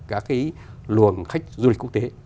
cả cái luồng khách du lịch quốc tế